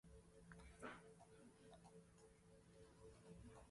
バレンシア県の県都はバレンシアである